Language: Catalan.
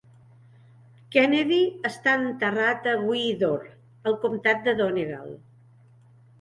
Kennedy està enterrat a Gweedore, al comtat de Donegal.